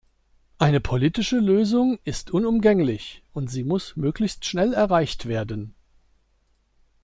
Eine politische Lösung ist unumgänglich, und sie muss möglichst schnell erreicht werden.